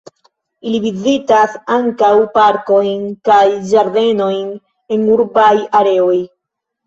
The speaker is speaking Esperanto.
Ili vizitas ankaŭ parkojn kaj ĝardenojn en urbaj areoj.